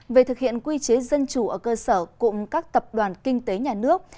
về thực hiện quy chế dân chủ ở cơ sở cùng các tập đoàn kinh tế nhà nước